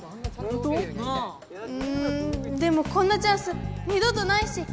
ううんでもこんなチャンス二度とないし。